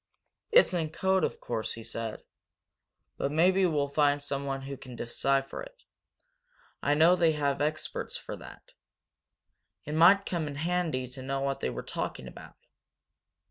"It's in code, of course," he said, "but maybe we'll find someone who can decipher it I know they have experts for that. It might come in handy to know what they were talking about."